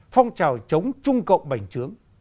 phong trào chống trung cộng bệnh trướng